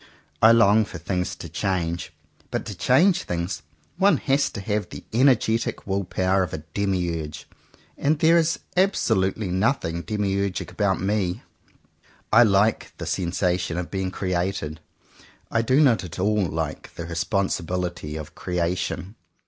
I long for things to change; but to change things, one has to have the energetic will power of a demiurge; and there is absolutely nothing demiurgic about me. I like the sensation of being created." I do not at all like the responsibility of "creation."